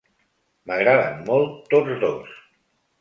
M'agraden molt, tots dos.